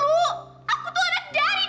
aku tuh anak daddy